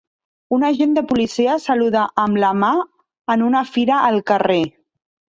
Un agent de policia saluda amb la mà en una fira al carrer.